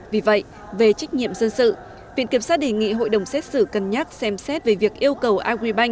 vì vậy về trách nhiệm dân sự viện kiểm soát đề nghị hội đồng xét xử cân nhắc xem xét về việc yêu cầu alc hai